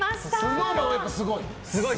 ＳｎｏｗＭａｎはやっぱすごい？